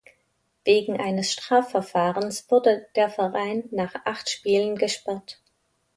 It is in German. Wegen eines Strafverfahrens wurde der Verein nach acht Spielen gesperrt.